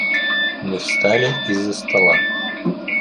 Мы встали из-за стола.